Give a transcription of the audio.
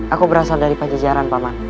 aku berasal dari pajajaran paman